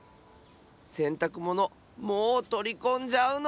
せんたくものもうとりこんじゃうの？